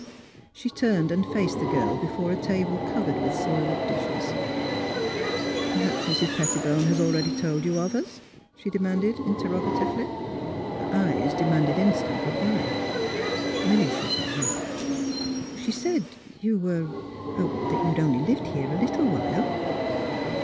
She turned and faced the girl before a table covered with soiled dishes. " Perhaps Mrs. Pettibone has already told you of us," she said, interrogatively. Her eyes demanded instant reply. Milly shook her head. *' She said you were — that you had only lived here a little while."